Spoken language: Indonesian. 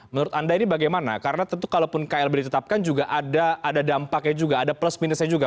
menurut anda ini bagaimana karena tentu kalaupun klb ditetapkan juga ada dampaknya juga ada plus minusnya juga